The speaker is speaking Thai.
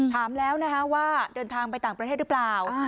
ถามแล้วนะคะว่าเดินทางไปต่างประเทศหรือเปล่า